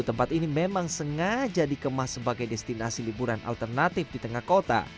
tempat ini memang sengaja dikemas sebagai destinasi liburan alternatif di tengah kota